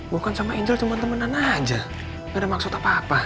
gue kan sama angel cuma temenan aja gak ada maksud apa apa